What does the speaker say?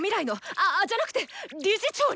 あじゃなくて理事長に！